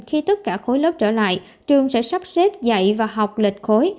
khi tất cả khối lớp trở lại trường sẽ sắp xếp dạy và học lệch khối